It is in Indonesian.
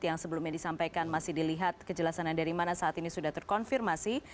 yang sebelumnya disampaikan masih dilihat kejelasannya dari mana saat ini sudah terkonfirmasi